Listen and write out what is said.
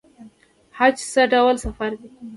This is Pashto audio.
حج څه ډول سفر دی؟